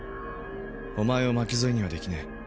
「おまえを巻き添えにはできない」